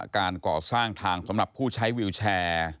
การก่อสร้างทางสำหรับผู้ใช้วิวแชร์